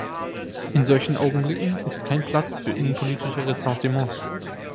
In solchen Augenblicken ist kein Platz für innenpolitische Ressentiments.